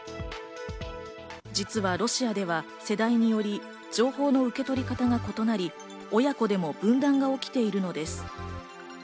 実はロシアでは世代により情報の受け取り方が異なり親子でも分断が起きているのです。